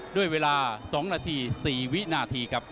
ด้วยเวลา๒นาที๔วินาทีครับ